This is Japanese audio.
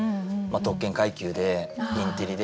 特権階級でインテリで。